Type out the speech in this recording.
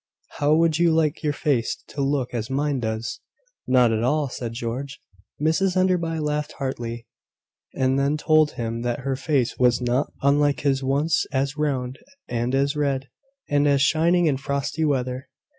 How would you like your face to look as mine does?" "Not at all," said George. Mrs Enderby laughed heartily, and then told him that her face was not unlike his once as round, and as red, and as shining in frosty weather.